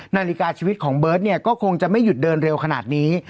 นาฬิกาชีวิตของเบิร์ตเนี่ยก็คงจะไม่หยุดเดินเร็วขนาดนี้